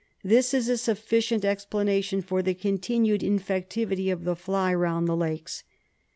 This is a sufficient explanation for the continued infectivity of the fly round the lakes.